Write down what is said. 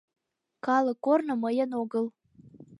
Калык корно мыйын огыл